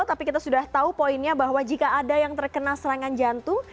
tapi kita sudah tahu poinnya bahwa jika ada yang terkena serangan jantung